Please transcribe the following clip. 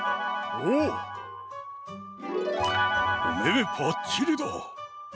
おめめぱっちりだ！